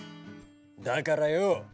だからよ